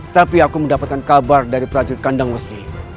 tapi aku mendapatkan kabar dari prajurit kandang besi